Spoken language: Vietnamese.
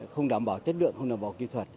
không đảm bảo chất lượng không đảm bảo kỹ thuật